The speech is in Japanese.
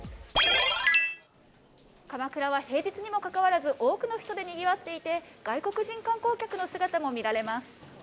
鎌倉は平日にもかかわらず、多くの人でにぎわっていて、外国人観光客の姿も見られます。